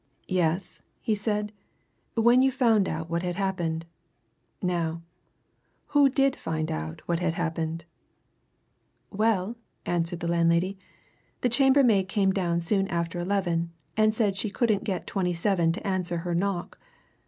"Yes?" he said. "When you found out what had happened. Now, who did find out what had happened?" "Well," answered the landlady, "the chambermaid came down soon after eleven, and said she couldn't get 27 to answer her knock.